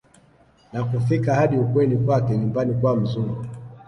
na kufika hadi ukweni kwake nyumbani kwa mzulu